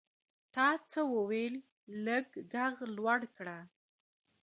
تا څه وویل ؟ لږ ږغ لوړ کړه !